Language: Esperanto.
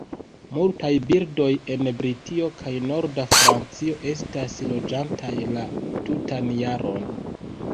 Multaj birdoj en Britio kaj norda Francio estas loĝantaj la tutan jaron.